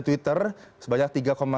twitter sebanyak tiga sembilan